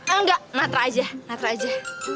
enggak natra aja natra aja